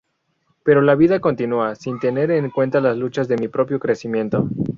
Pero la vida continúa sin tener en cuenta las luchas de mi propio crecimiento.